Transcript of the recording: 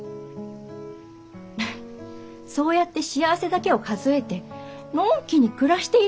フッそうやって幸せだけを数えてのんきに暮らしていればいい！